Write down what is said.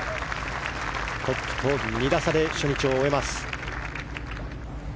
トップと２打差で初日を終えます。